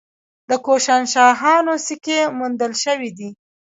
د کوشانشاهانو سکې موندل شوي دي